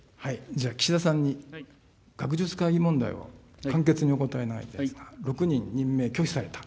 岸田さんに、学術会議問題を簡潔にお答え願いたいですが、６人の任命を拒否された。